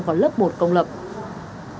vào lớp một công lập